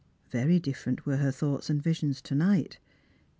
Yery diiferent were her thoughts and visions to night.